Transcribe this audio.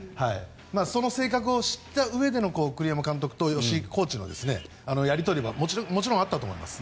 その性格を知ったうえでの栗山監督と吉井コーチのやり取りはもちろんあったと思います。